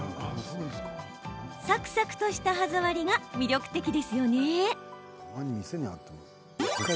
サクサクとした歯触りが魅力ですよね。